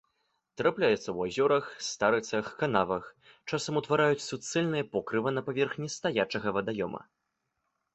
Трапляюцца ў азёрах, старыцах, канавах, часам утвараюць суцэльнае покрыва на паверхні стаячага вадаёма.